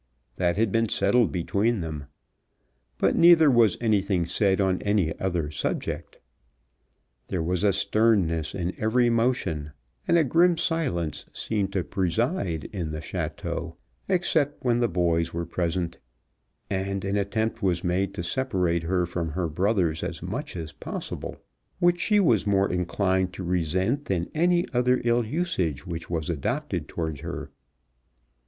That had been settled between them. But neither was anything said on any other subject. There was a sternness in every motion, and a grim silence seemed to preside in the château, except when the boys were present, and an attempt was made to separate her from her brothers as much as possible, which she was more inclined to resent than any other ill usage which was adopted towards her.